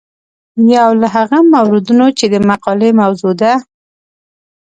یو له هغو موردونو چې د مقالې موضوع ده.